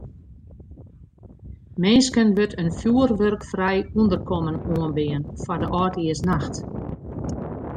Minsken wurdt in fjoerwurkfrij ûnderkommen oanbean foar de âldjiersnacht.